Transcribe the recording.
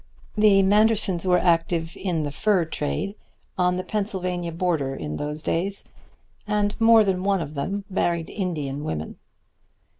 The Mandersons were active in the fur trade on the Pennsylvania border in those days, and more than one of them married Indian women.